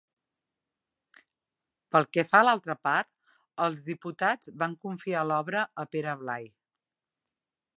Pel que fa a l’altra part, els diputats van confiar l’obra a Pere Blai.